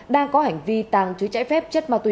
đang có hành vi tàng chữ trái phép